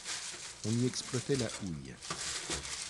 On y exploitait la houille.